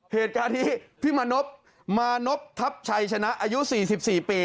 เหตุการณ์นี้พี่มานพมานพทัพชัยชนะอายุ๔๔ปี